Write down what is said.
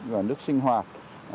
và nước sinh hoạt